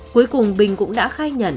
cuối cùng bình cũng đã khai nhận